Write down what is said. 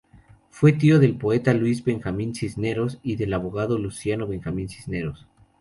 Fue tío del poeta Luis Benjamín Cisneros y del abogado Luciano Benjamín Cisneros.